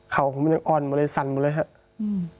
เขาผมยังอ่อนหมดเลยสั่นหมดเลยครับ